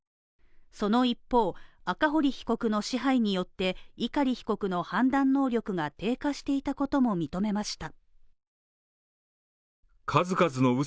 その一方、赤堀被告の支配によって碇被告の判断能力が低下していたことも認めました。